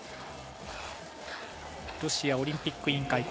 ロシアオリンピック委員会